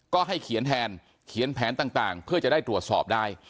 ก็ให้เขียนแทนเขียนแผนต่างเพื่อจะได้ตรวจสอบได้